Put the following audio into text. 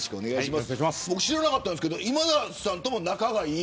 知らなかったんですけど今田さんとも仲がいい。